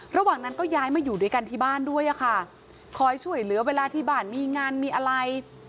ระหว่างนั้นก็ย้ายมาอยู่ด้วยกันที่บ้านด้วยอะค่ะคอยช่วยเหลือเวลาที่บ้านมีงานมีอะไร